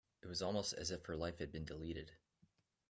It was almost as if her life had been deleted.